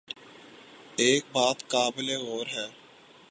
ایک بات قابل غور ہے۔